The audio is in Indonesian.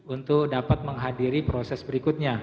untuk dapat menghadiri proses berikutnya